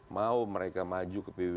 mau mereka maju ke pbb